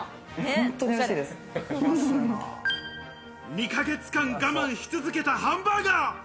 ２ヶ月間、我慢し続けたハンバーガー。